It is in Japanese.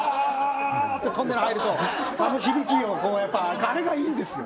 トンネル入るとあの響きをこうやっぱあれがいいんですよ